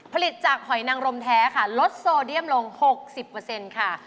ผลิตจากหอยนังรมแท้ค่ะลดโซเดียมลง๖๐ค่ะ